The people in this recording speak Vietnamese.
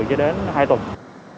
trước lời kêu gọi đông đốc